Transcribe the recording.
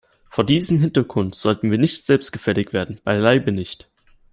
Vor diesem Hintergrund sollten wir nicht selbstgefällig werden beileibe nicht.